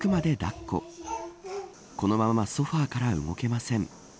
この間はソファーから動けません。